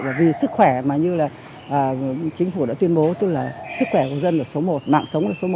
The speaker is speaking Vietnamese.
và vì sức khỏe mà như là chính phủ đã tuyên bố tức là sức khỏe của dân ở số một mạng sống ở số một